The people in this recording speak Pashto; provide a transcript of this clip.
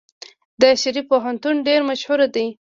د شریف پوهنتون ډیر مشهور دی.